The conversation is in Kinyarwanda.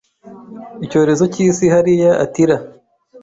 Icyorezo cyisi hariya Attila